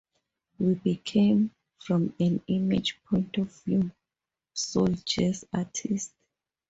We became, from an image point of view, soul jazz artists.